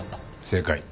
正解。